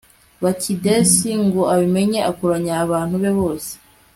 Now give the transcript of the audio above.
bakidesi ngo abimenye, akoranya abantu be bose